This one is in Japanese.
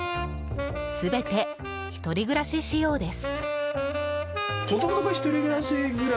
全て、１人暮らし仕様です。